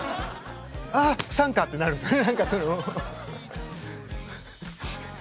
ああっ「ＳＵＮ」かってなるんですよね。